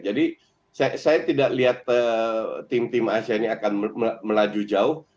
jadi saya tidak lihat tim tim asia ini akan melaju jauh